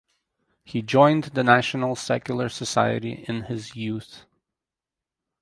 He joined the National Secular Society in his youth.